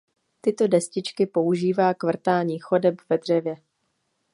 Tyto destičky používá k vrtání chodeb ve dřevě.